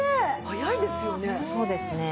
早いですよね。